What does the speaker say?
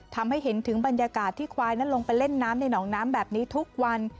ทำให้เห็นถึงบรรยากาศที่ควายนั้นลงไปเล่นน้ำในหนองน้ำแบบนี้ทุกวัน